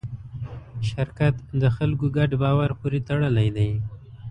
شرکت د خلکو ګډ باور پورې تړلی دی.